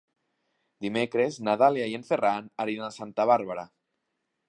Dimecres na Dàlia i en Ferran aniran a Santa Bàrbara.